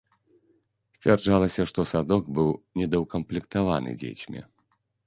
Сцвярджалася, што садок быў недаўкамплектаваны дзецьмі.